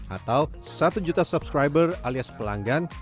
atau satu juta subscriber alias pelanggan